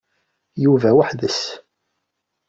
Yuba weḥd-s.